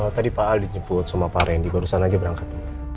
tadi pak al dijemput sama pak randy barusan aja berangkat